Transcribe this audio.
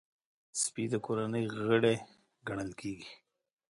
سپي د کورنۍ غړی ګڼل کېږي.